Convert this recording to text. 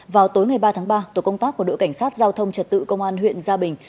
vào tối ngày ba tháng ba tổ công tác của đội cảnh sát giao thông trật tự công an huyện gia bình